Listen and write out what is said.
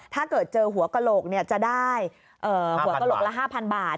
ถ้าเกิดเจอหัวกระโหลกจะได้หัวกระโหลกละ๕๐๐บาท